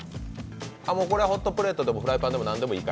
これはホットプレートでもフライパンでもなんでもいい？